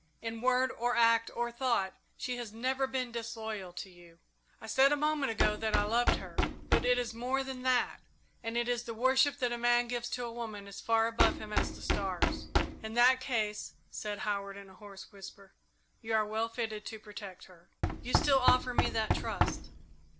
In word or act or thought she has never been disloyal to you. I said a moment ago that I loved her, but it is more than that it is the worship that a man gives to a woman as far above him as the stars." "In that case," said Howard, in a hoarse whisper, "you are well fitted to protect her." "You still offer me that trust?"